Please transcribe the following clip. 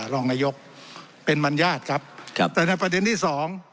รองนายกเป็นมัญญาติครับครับแต่ในประเด็นที่สอง